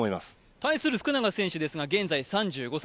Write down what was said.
対する福永選手ですが現在３５歳。